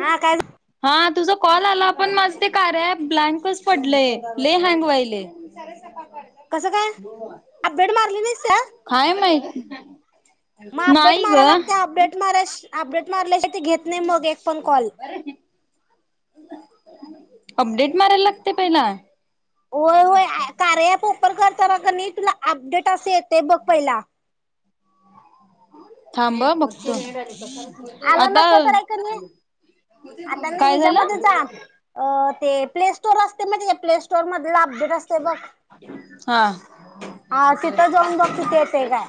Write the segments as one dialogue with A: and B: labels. A: हा काय
B: हा तुझा कॉल आला पण माझ ते कार्या ॲप ब्लँकच पडलंय, लय हँग व्हायलय.
A: कसं काय अपडेट मारली नाही
B: कायम [inaudible]
A: मग अपडेट मारायला लागते. अपडेट मार श अपडेट मारल्याशिवाय घेत नाही मग एक पण कॉल.
B: अपडेट मारायला लागते पहिला?
A: होय, होय ए कार्या ॲप ओपन करताना की नई तुला अपडेट असं येतंय बघ पहिला.
B: थांब हं बघत
A: आलं नसलं तर हाय क नाई आता ना
B: काय
A: हिच्यामध्ये
B: झालं
A: जा अ ते प्ले स्टोर अस ते म त्याज प्ले स्टोअर मधला अपडेट असते बघ.
B: हा
A: हा तिथं जाऊन बघ तिथे येतय काय.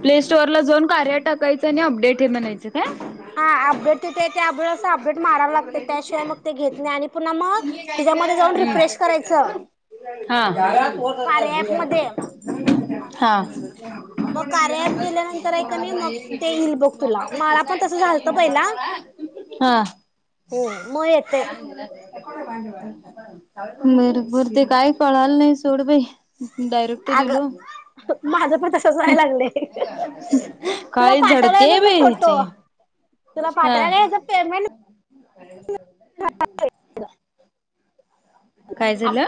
B: प्ले स्टोअर ला जाऊन कार्या टाकायचं आणि अपडेट हे म्हणायचं काय?
A: हा अपडेट तिथं येतय आब अपडेट माराव लागते त्याशिवाय मग ते घेत नाही आणि पुन्हा मग हिच्यामध्ये जाऊन रिफ्रेश करायचं
B: [inaudible]
A: कार्या ॲप मध्ये
B: हा हा [inaudible]
A: मग
B: बर
A: कार्यात गेल्यानंतर आहे का नाही मग ते येईल बघ तुला मला पण तसं झालतं पहिला हम्म मग येते
B: ते काही कळाल नाही सोड बाई डायरेक्ट
A: अग
B: दिलो
A: माझं पण तसच
B: हं
A: व्हायला लागलंय
B: [inaudible]
A: तुला
B: काही
A: पाठवलाय
B: झडते
A: बघ मी
B: बाई
A: फोटो
B: ह्याची
A: तुला
B: हा [inaudible]
A: पाठवायला ह
B: काय झालं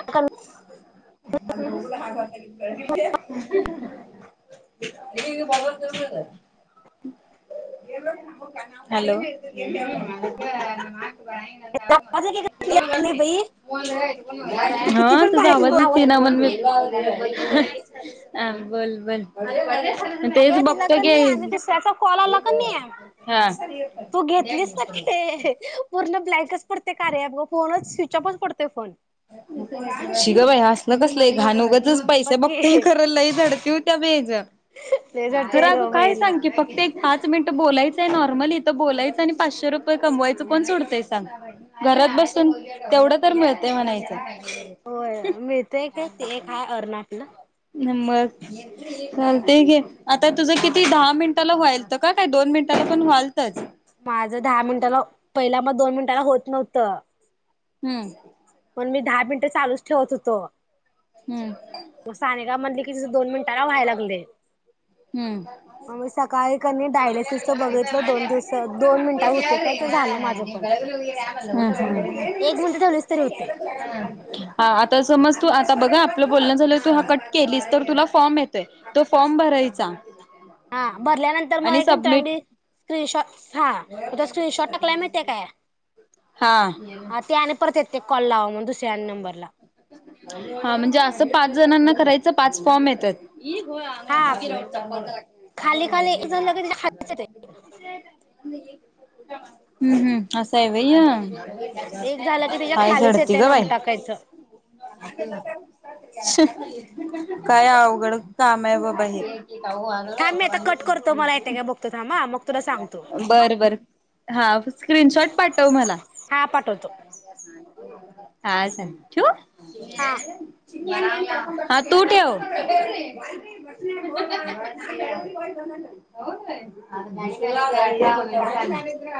B: [inaudible] हॅलो [unintelligible]
A: आवाज एक क्लिअर येत नाही बाई तू
B: हा
A: किती पण
B: तसा
A: बाहेर
B: आवाज येतय ना [inaudible] ह बोल बोल तेच
A: अगं तुला
B: बघतो की
A: कने अन दुसऱ्याचा कॉल आला कने
B: हा
A: तू घेतलीस तर घे पूर्ण [inaudible] कच पडतय कार्या ॲप फोनच स्विचऑपच पडतय फोन
B: [inaudible] शिग बाई आसल कसलय घाण उग [inaudible]
A: बघ
B: पैसे बघतोय
A: की
B: खर लई झडती होत्या बाई ज
A: लय
B: खर
A: झडते
B: आगं
A: ग
B: काय
A: बाईला
B: सांग की फक्त एक पाच मिनटं बोलायचंय नॉर्मली तर बोलायचं आणि पाचशे रुपये कमवायचं पण कोण सोडतंय सांग घरात बसून तेवढं तर मिळ म्हणायचं [inaudible]
A: होय मिळतय काय ते एक हाय अर्नातलं
B: न मग चालतय की आता तुझं
A: हा
B: किती दहा मिनिट ला व्हायलंत काय दोन मिनटाला पण व्हालंतच
A: माझ दहा मिनिटाला पहिला मग दोन मिनिटाला होत नव्हतं
B: हम्म
A: पण मी दहा मिनिटं चालूच ठेवत होतो
B: हम्
A: कि तिज दोन मिनिटाला व्हायला लागलेय
B: ह
A: कणी डायलिसिसच बघितलं दोन दिवस दोन मिनिटात होते काय तर झालं माझं पण एक मिनिट ठेवलीच तरी होते
B: आता समज तू ता बघा आ आपलं बोलण झालं तू हा कट केलीस तर तुला फॉर्म येतोय तो फॉर्म भराय सांग
A: हा भरल्यानंतर मग [inaudible] स्क्रीनशॉ हा स्क्रीनशॉट टाकलाय माहितेय काय
B: हा
A: हा आणि ते परत येत ते कॉल लावा मन दुसऱ्या नंबरला
B: हा म्हणजे असं पाच जणांना कराय [inaudible] पाच फॉर्म येतात ह हो
A: हा खाली खाली एक झालं की त्याच्या खालीच येते
B: हम् हम् असंय व्हय
A: एक झालं की
B: [inaudible]
A: त्याच्या
B: पाय
A: खालीच
B: झडती
A: येते
B: ग
A: नंबर
B: बाई [inaudible]
A: टाकायचं
B: [inaudible] काय अवघड काम य बाबा हे [inaudible]
A: थांब मी आता कट करतो मला येते काय बघतो थांब हा मग तुला सांगतो
B: बर बर हा स्क्रीनशॉट पाठव मला
A: हा पाठवतो.
B: हा चल ठेवू.
A: हा
B: ह तू ठेव [inaudible]